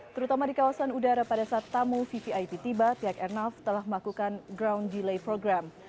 terutama di kawasan udara pada saat tamu vvip tiba pihak airnav telah melakukan ground delay program